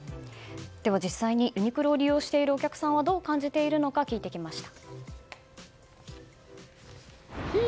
では、実際にユニクロを利用しているお客さんはどう感じているのか聞いてきました。